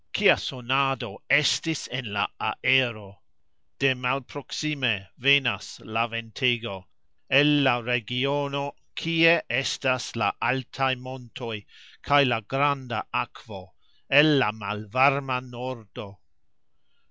Kia sonado estis en la aero! De malproksime venas la ventego, el la regiono, kie estas la altaj montoj kaj la granda akvo, el la malvarma nordo.